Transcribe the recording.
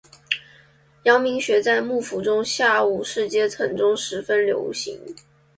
阳明学在幕府中下武士阶层中非常流行。